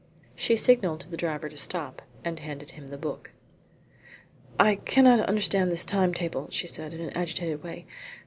She signalled to the driver to stop, and handed him the book. "I cannot understand this time table," she said, in an agitated way.